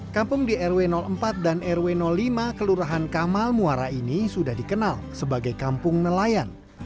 kampung di rw empat dan rw lima kelurahan kamal muara ini sudah dikenal sebagai kampung nelayan